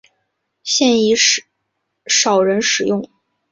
现已少人使用。